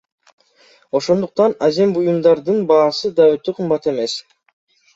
Ошондуктан азем буюмдардын баасы да өтө кымбат эмес.